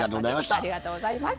ありがとうございます。